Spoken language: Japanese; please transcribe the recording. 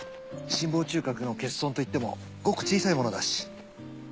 心房中隔の欠損といってもごく小さいものだし。